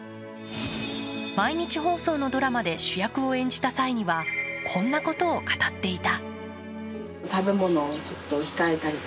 毎日放送のドラマで主役を演じた際にはこんなことを語っていた。